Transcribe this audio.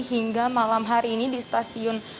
hingga malam hari ini di stasiun